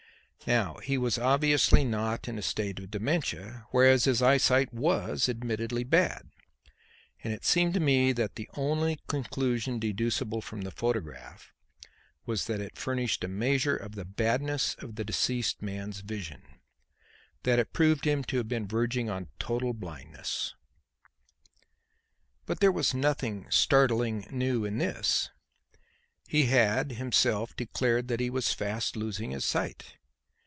Now he obviously was not in a state of dementia, whereas his eyesight was admittedly bad; and it seemed to me that the only conclusion deducible from the photograph was that it furnished a measure of the badness of the deceased man's vision that it proved him to have been verging on total blindness. But there was nothing startling new in this. He had, himself, declared that he was fast losing his sight.